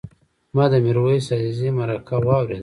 ما د میرویس عزیزي مرکه واورېده.